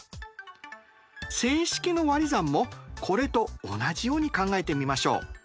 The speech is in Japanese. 整式のわり算もこれと同じように考えてみましょう。